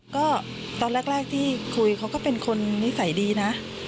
ก็ตอนแรกที่คุยเขาก็เป็นคนนิสัยดีนะ